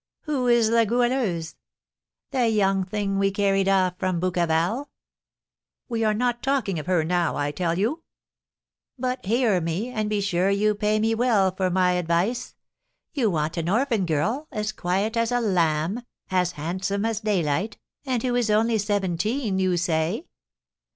"Who is La Goualeuse?" "The young thing we carried off from Bouqueval." "We are not talking of her now, I tell you." "But hear me, and be sure you pay me well for my advice. You want an orphan girl, as quiet as a lamb, as handsome as daylight, and who is only seventeen, you say?"